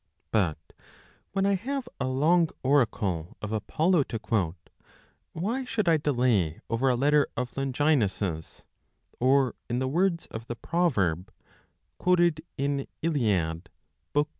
(But when I have a long oracle of Apollo to quote, why should I delay over a letter of Longinus's, or, in the words of the proverb, quoted in Iliad xxii.